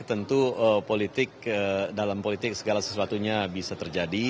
tentu politik dalam politik segala sesuatunya bisa terjadi